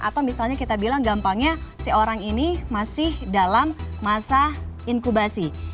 atau misalnya kita bilang gampangnya si orang ini masih dalam masa inkubasi